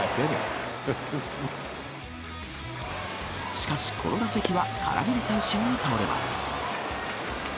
しかし、この打席は空振り三振に倒れます。